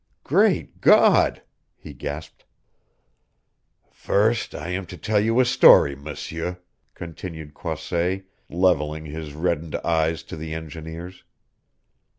"Great God!" he gasped. "First I am to tell you a story, M'seur," continued Croisset, leveling his reddened eyes to the engineer's.